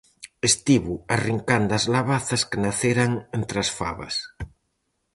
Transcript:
Estivo arrincando as labazas que naceran entre as fabas.